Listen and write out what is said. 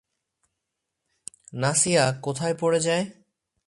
নাসিয়া কোথায় পড়ে যায়?